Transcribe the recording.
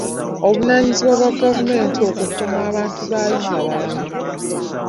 Buvunaanyizibwa bwa gavumenti okukuuma abantu baayo nga balamu.